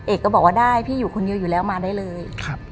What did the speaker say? ก็บอกว่าได้พี่อยู่คนเดียวอยู่แล้วมาได้เลย